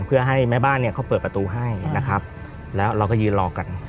เพื่อให้แม่บ้านเนี่ยเขาเปิดประตูให้นะครับแล้วเราก็ยืนรอกัน